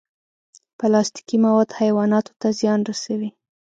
پلاستيکي مواد حیواناتو ته زیان رسوي.